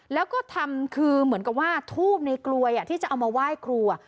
แล้วก็ทำคือเหมือนกับว่าทูบในกลวยที่จะเอามาไหว้ครู